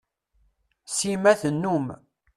Sima tennum.